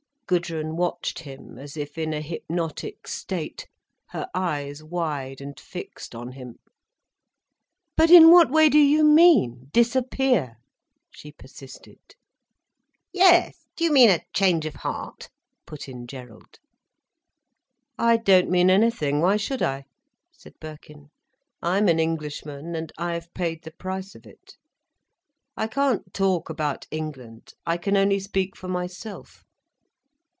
Gudrun watched him as if in a hypnotic state, her eyes wide and fixed on him. "But in what way do you mean, disappear?—" she persisted. "Yes, do you mean a change of heart?" put in Gerald. "I don't mean anything, why should I?" said Birkin. "I'm an Englishman, and I've paid the price of it. I can't talk about England—I can only speak for myself."